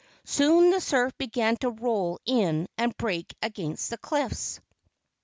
Soon the surf began to roll in and break against the cliffs.